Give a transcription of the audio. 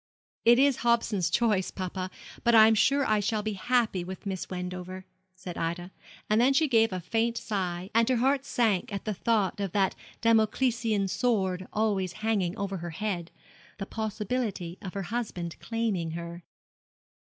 'It is Hobson's choice, papa; but I am sure I shall be happy with Miss Wendover,' said Ida; and then she gave a faint sigh, and her heart sank at the thought of that Damoclesian sword always hanging over her head the possibility of her husband claiming her.